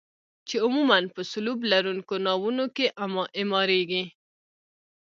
چې عموما په سلوب لرونکو ناوونو کې اعماریږي.